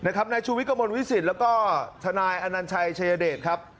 นายชูวิทย์กระมวลวิสิตแล้วก็ทนายอนัญชัยชายเดชครับ